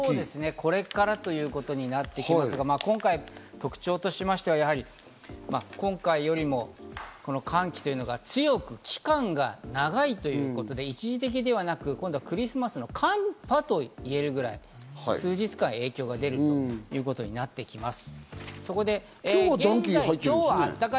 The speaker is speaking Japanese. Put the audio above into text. これからということになってきますが、今回特徴としましては今回よりも寒気が強く、期間が長いということで一時的ではなく、クリスマスの寒波と言えるくらい数日間影響が出るということになってきます。